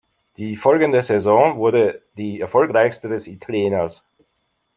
Die folgende Saison wurde die erfolgreichste des Italieners.